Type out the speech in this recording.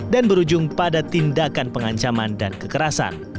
dan berujung pada tindakan pengancaman dan kekerasan